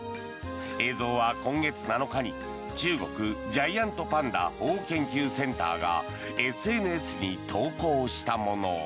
映像は今月７日に中国ジャイアントパンダ保護研究センターがＳＮＳに投稿したもの。